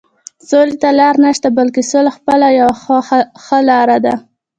سولې ته لاره نشته، بلکې سوله خپله یوه ښه لاره ده.